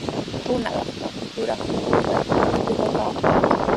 Hunaqtraw yuraq pukutay rikakaamun.